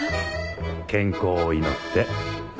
健康を祈って。